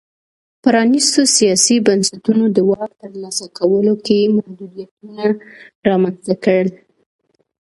پرانیستو سیاسي بنسټونو د واک ترلاسه کولو کې محدودیتونه رامنځته کړل.